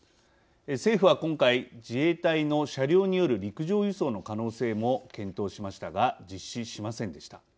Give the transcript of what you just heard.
政府は今回自衛隊の車両による陸上輸送の可能性も検討しましたが実施しませんでした。